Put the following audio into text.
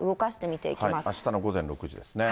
あしたの午前６時ですね。